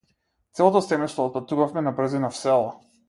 Целото семејство отпатувавме набрзина в село.